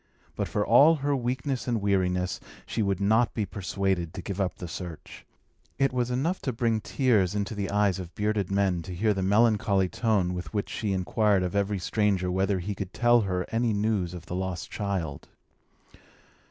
But for all her weakness and weariness, she would not be persuaded to give up the search. It was enough to bring tears into the eyes of bearded men to hear the melancholy tone with which she inquired of every stranger whether he could tell her any news of the lost child.